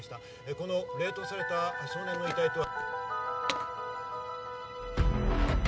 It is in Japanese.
この冷凍された少年の遺体とは。